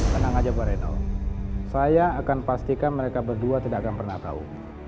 tenang aja pak reno saya akan pastikan mereka berdua tidak akan pernah tahu